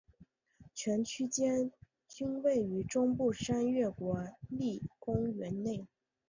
全区间均位于中部山岳国立公园内。